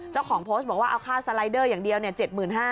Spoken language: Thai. เจ้าของโพสต์บอกว่าเอาค่าสไลเดอร์อย่างเดียว๗๕๐๐